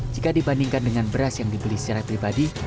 jika dibandingkan dengan beras yang dibeli secara pribadi